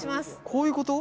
こういうこと？